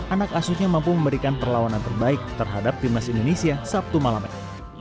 anak asuhnya mampu memberikan perlawanan terbaik terhadap timnas indonesia sabtu malam ini